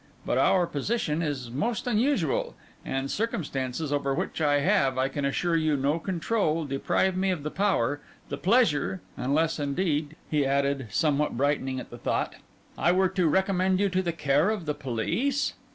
But our position is most unusual; and circumstances over which I have, I can assure you, no control, deprive me of the power—the pleasure—Unless, indeed,' he added, somewhat brightening at the thought, 'I were to recommend you to the care of the police?